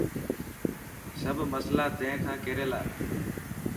سب مصلا تين کان ڪير يلا.